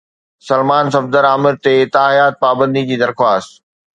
سلمان صفدر عامر تي تاحيات پابندي جي درخواست